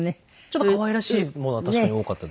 ちょっと可愛らしいものが確かに多かったですね。